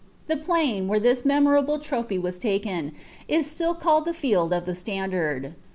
The pkin, where this memoralile inwbr was taken, is still called the Held of tlie Standard.'